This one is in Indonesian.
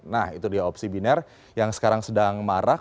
nah itu dia opsi binar yang sekarang sedang marah